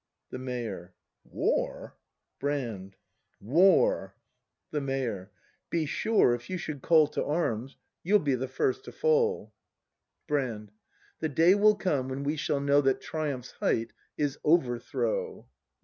The Mayor. War? Brand. War! 134 ' BRAND [act in The Mayor. Be sure, if you should call To arms, you'll be the first to fall. Brand. The day will come when we shall know That triumph's height is Overthrow.